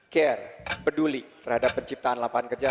care peduli terhadap penciptaan lapangan kerja